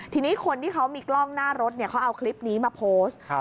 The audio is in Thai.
ทีนี้คนที่เขามีกล้องหน้ารถเขาเอาคลิปนี้มาโพสต์